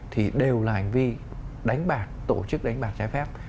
thì đều là hành vi đánh bạc tổ chức đánh bạc trái phép